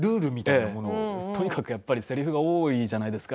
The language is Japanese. とにかく、せりふが多いじゃないですか。